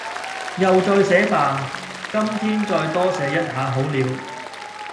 又再寫吧...今天再多寫一下好了